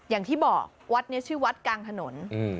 อย่างที่บอกวัดนี้ชื่อวัดกลางถนน